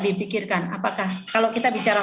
dipikirkan apakah kalau kita bicara